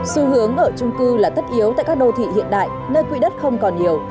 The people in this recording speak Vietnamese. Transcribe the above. xu hướng ở trung cư là tất yếu tại các đô thị hiện đại nơi quỹ đất không còn nhiều